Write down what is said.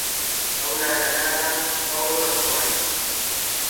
ئەو نانە نانە ، ئەوڕۆ لە خوانە